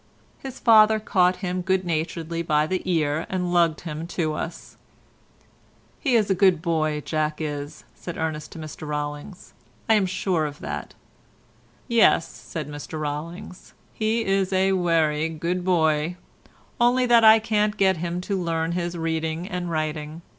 His father caught him good naturedly by the ear and lugged him to us. "He's a good boy, Jack is," said Ernest to Mr Rollings, "I'm sure of that." "Yes," said Mr Rollings, "he's a werry good boy, only that I can't get him to learn his reading and writing.